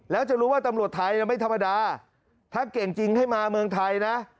แล้วจะรู้ว่าตำรวจไทยไม่ธรรมดาถ้าเก่งจริงให้มาเมืองไทยนะ